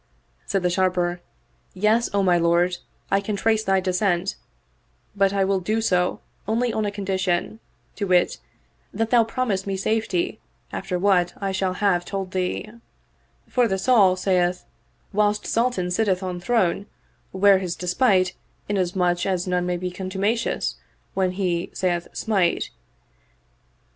" Said the Sharper, " Yes, O my lord, I can trace thy descent, but I will so do only upon a condition ; to wit, that thou promise me safety after what I shall have told thee; for the saw saith, * Whilst Sultan sitteth on throne 'ware his despite, inasmuch as none may be contumacious when he saith ' Smite.'